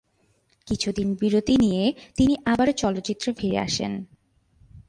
কিছুদিন বিরতি নিয়ে তিনি আবার চলচ্চিত্রে ফিরে আসেন।